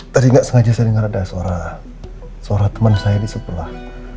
tadi nggak sengaja saya dengar ada suara teman saya di sebelah